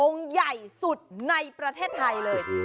ใหญ่สุดในประเทศไทยเลย